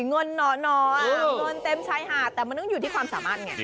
ก็มีงุนเต็มชายหาดแต่มันต้องอยู่ที่ความสามารถ